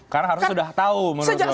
karena harus sudah tahu menurut suara harusnya